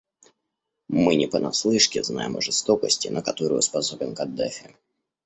Мы не понаслышке знаем о жестокости, на которую способен Каддафи.